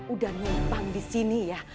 udah nyimpang di sini ya